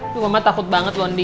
loh mama takut banget loh andin